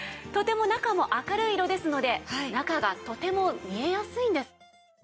とても中も明るい色ですので中がとても見えやすいんです。